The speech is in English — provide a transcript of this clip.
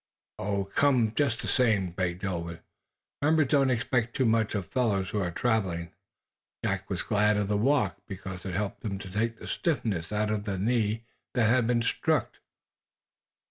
"Come, just the same," begged Ulwin. "The members don't expect too much of fellows who are traveling." Jack was glad of the walk, because it helped to take the stiffness out of the knee that had been struck.